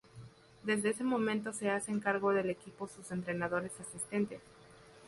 Desde ese momento, se hacen cargo del equipo sus entrenadores asistentes.